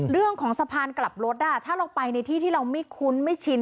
เรื่องของสะพานกลับรถถ้าเราไปในที่ที่เราไม่คุ้นไม่ชิน